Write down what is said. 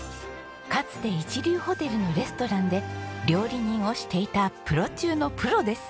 かつて一流ホテルのレストランで料理人をしていたプロ中のプロです。